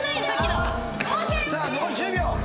さあ残り１０秒。